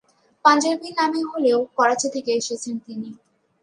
পাঞ্জাবী নামে হলেও করাচী থেকে এসেছেন তিনি।